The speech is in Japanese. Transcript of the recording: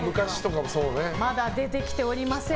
まだ出てきておりません。